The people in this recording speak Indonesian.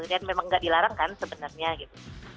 dan memang nggak dilarang kan sebenarnya gitu